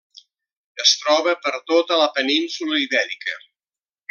Es troba per tota la península Ibèrica.